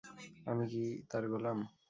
আমি কি তার গোলাম?